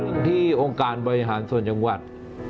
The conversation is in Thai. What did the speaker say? องค์ที่องค์การบริหารส่วนจังหวัด